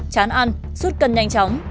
chán ăn suốt cân nhanh chóng